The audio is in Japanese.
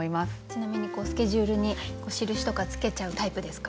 ちなみにスケジュールに印とか付けちゃうタイプですか？